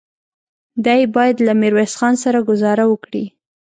دی بايد له ميرويس خان سره ګذاره وکړي.